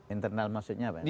internal maksudnya apa ya